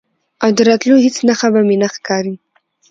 او د راتلو هیڅ نښه به مې نه ښکاري،